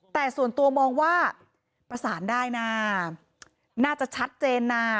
แต่ส่วนตัวมองว่าประสานได้นะน่าจะชัดเจนนะ